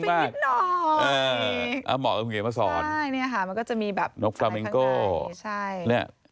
เหมาะกับคุณเกมสรน้องฟลาเม้งโก้นี่ค่ะใช่